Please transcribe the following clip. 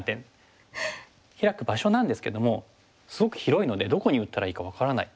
ヒラく場所なんですけどもすごく広いのでどこに打ったらいいか分からない。